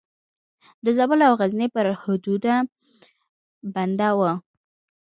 د زابل او غزني پر حدودو بنده وه.